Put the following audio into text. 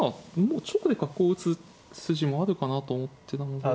もう直で角を打つ筋もあるかなと思ってたんで。